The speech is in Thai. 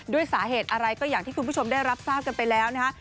ด้วยสาเหตุอะไรก็อย่างที่คุณผู้ชมได้รับทราบกันไปแล้วนะฮะ